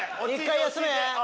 １回休め！